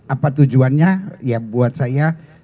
apa tujuannya ya buat saya